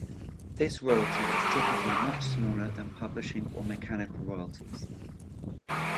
This royalty is typically much smaller than publishing or mechanical royalties.